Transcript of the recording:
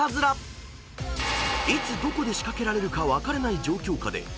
［いつどこで仕掛けられるか分からない状況下で］